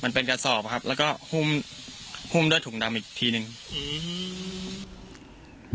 มันเป็นกระสอบครับแล้วก็หุ้มหุ้มด้วยถุงดำอีกทีหนึ่งอืม